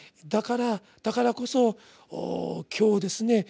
だからだからこそ今日ですね